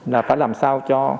là phải làm sao cho